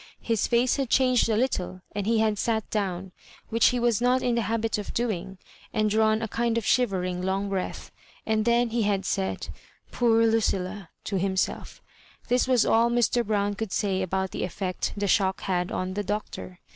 His face had changed a little, and he had sat down, which he was not in the habit of doing, and drawn a kind of shivermg long breath ; and then be had said, *'Poor Lucilla 1 " to himsd£ This was all Mr. Brown could say about the effect the shock had on the Doctor.